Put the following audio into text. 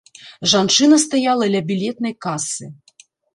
Жанчына стаяла ля білетнай касы.